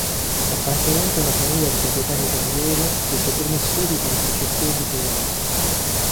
Appartenente a una famiglia di proprietari terrieri, fece i primi studi con precettori privati.